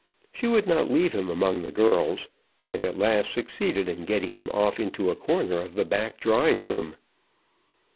She would not leave him among the girls, and at last succeeded in getting him off into a corner of the back drawing room.